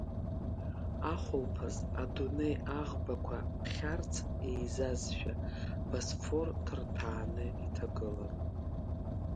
Ахәылԥаз, адунеи аӷбақәа ԥхьарц еизазшәа, Босфор ҭырҭәааны иҭагылан.